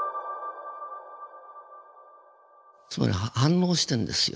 つまり反応してんですよ